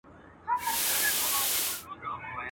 o د تربور غاښ په تربره ماتېږي.